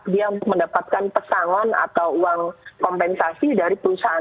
dia mendapatkan pesangon atau uang kompensasi dari perusahaan